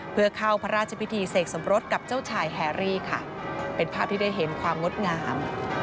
เพื่อเข้าพระราชพิธีเสกสมรสกับเจ้าชายแฮรี่ค่ะเป็นภาพที่ได้เห็นความงดงาม